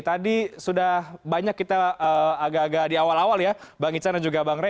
tadi sudah banyak kita agak agak di awal awal ya bang ican dan juga bang rey